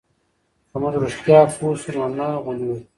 که موږ رښتیا پوه سو نو نه غولېږو.